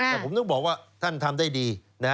แต่ผมต้องบอกว่าท่านทำได้ดี